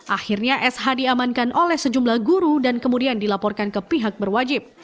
akhirnya sh diamankan oleh sejumlah guru dan kemudian dilaporkan ke pihak berwajib